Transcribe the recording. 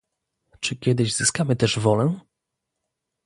Czy kiedyś zyskamy też wolę?